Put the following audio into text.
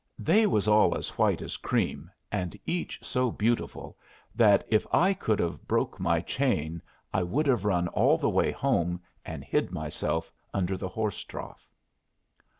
They was all as white as cream, and each so beautiful that if I could have broke my chain I would have run all the way home and hid myself under the horse trough.